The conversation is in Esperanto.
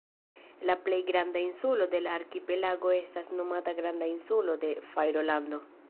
La plej granda insulo de la arkipelago estas nomata Granda Insulo de Fajrolando.